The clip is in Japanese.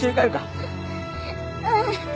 うん。